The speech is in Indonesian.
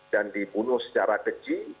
dan dibunuh secara keji